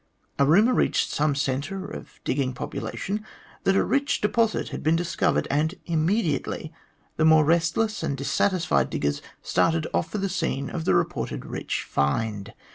A rumour reached some centre of digging population that a rich deposit had been discovered, and immediately the more restless and dissatisfied diggers started off for the scene of the reported rich " find."